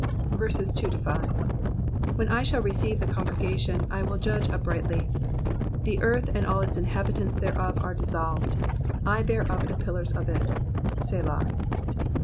2 When I shall receive the congregation I will judge uprightly. 3 The earth and all the inhabitants thereof are dissolved : I bear up the pillars of it. Selah.